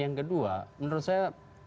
yang kedua menurut saya